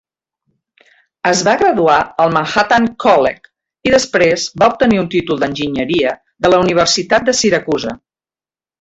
Es va graduar al Manhattan College i després va obtenir un títol d'Enginyeria de la Universitat de Syracuse.